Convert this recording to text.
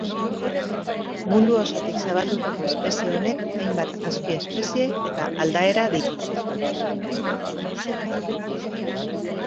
Mundu osotik zabaldutako espezie honek hainbat azpiespezie eta aldaera ditu.